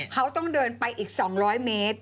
เขาต้องเดินไปอีก๒๐๐เมตร